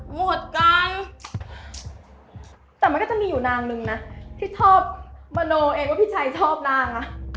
หมดกลางแต่มันก็จะมีอยู่นางนึงนะที่ชอบมโนเองว่าพี่ชัยชอบนางนะ